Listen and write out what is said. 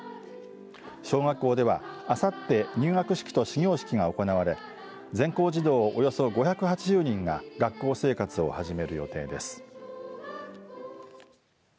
小学校ではあさって入学式と始業式が行われ全校児童およそ５８０人が学校生活を始める予定です。